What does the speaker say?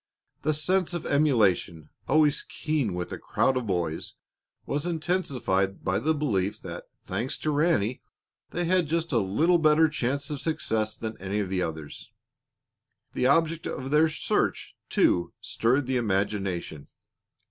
The sense of emulation, always keen with a crowd of boys, was intensified by the belief that, thanks to Ranny, they had just a little better chance of success than any of the others. The object of their search, too, stirred the imagination.